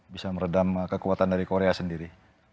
bisa meredam kekuatan dari korea sendiri